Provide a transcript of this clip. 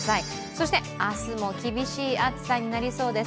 そして明日も厳しい暑さになりそうです。